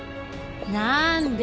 なんで？